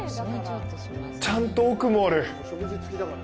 ちゃんと奥もある！